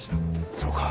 そうか。